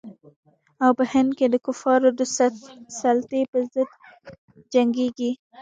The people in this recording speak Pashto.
او په هند کې د کفارو د سلطې پر ضد جنګیږي.